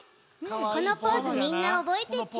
このポーズみんなおぼえてち。